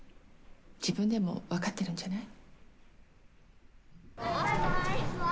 自分でも分かってるんじゃない？